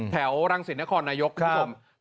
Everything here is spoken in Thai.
แถวรังสิรินค้อนายุกตร์ของของผม